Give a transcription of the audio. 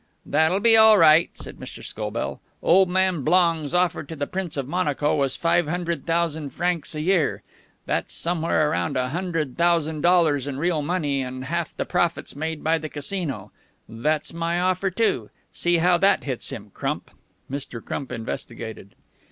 "That'll be all right," said Mr. Scobell. "Old man Blong's offer to the Prince of Monaco was five hundred thousand francs a year that's somewhere around a hundred thousand dollars in real money and half the profits made by the Casino. That's my offer, too. See how that hits him, Crump." Mr. Crump investigated.